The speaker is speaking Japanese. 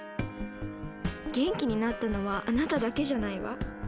元気になったのはあなただけじゃないわ。